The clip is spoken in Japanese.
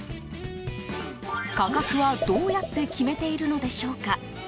価格は、どうやって決めているのでしょうか。